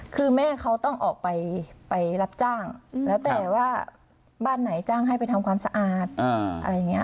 คือแม่เขาต้องออกไปรับจ้างแล้วแต่ว่าบ้านไหนจ้างให้ไปทำความสะอาดอะไรอย่างนี้